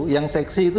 yang seksi itu